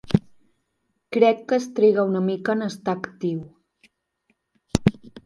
Crec que es triga una mica en estar actiu.